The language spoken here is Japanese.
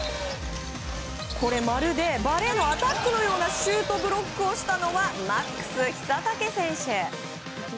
まるでバレーのアタックのようなシュートブロックをしたのはマックス・ヒサタケ選手。